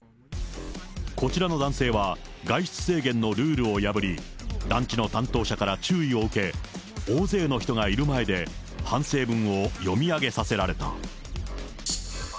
こちらの男性は、外出制限のルールを破り、団地の担当者から注意を受け、大勢の人がいる前で、反省文を読み上げさせられた。